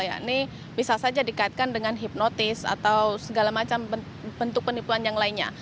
ini bisa saja dikaitkan dengan hipnotis atau segala macam bentuk penipuan yang lainnya